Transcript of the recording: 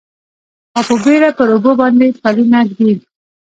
او په بیړه پر اوبو باندې پلونه ږدي